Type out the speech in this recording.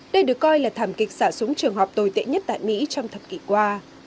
đây được coi là thảm kịch xả súng trường họp tồi tệ nhất tại mỹ trong thập kỷ qua